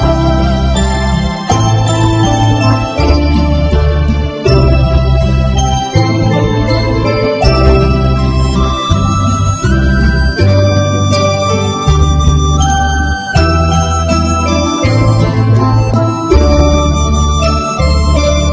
วันนี้นะครับเราจะบอกกันคิดสิ่งที่สำคัญ